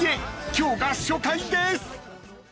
今日が初回です！］